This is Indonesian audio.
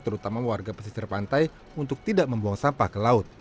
terutama warga pesisir pantai untuk tidak membuang sampah ke laut